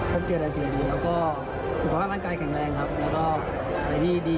แล้วพบเจอด้วยสุขความทางกายที่แข็งแรงครับ